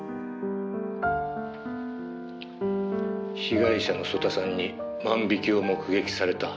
「被害者の曽田さんに万引きを目撃された？」